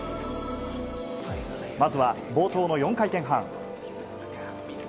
まずは冒頭の４回転半。